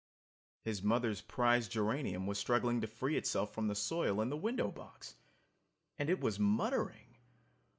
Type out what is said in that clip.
His mother's prize geranium was struggling to free itself from the soil in the window box! And it was muttering!